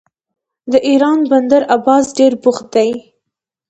د ایران بندر عباس ډیر بوخت دی.